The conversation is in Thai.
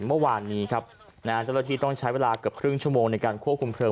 เมื่อวานนี้ครับนะฮะเจ้าหน้าที่ต้องใช้เวลาเกือบครึ่งชั่วโมงในการควบคุมเลิง